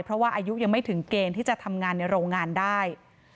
เพราะว่าอายุยังไม่ถึงเกณฑ์ที่จะทำงานในโรงงานได้